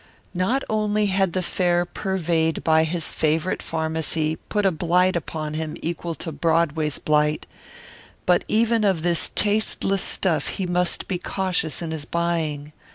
Not only had the fare purveyed by his favourite pharmacy put a blight upon him equal to Broadway's blight, but even of this tasteless stuff he must be cautious in his buying.